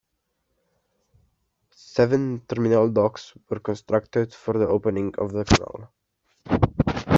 Seven terminal docks were constructed for the opening of the canal.